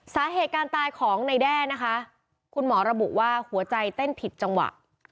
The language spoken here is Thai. สาเหตุการตายของในแด้นะคะคุณหมอระบุว่าหัวใจเต้นผิดจังหวะ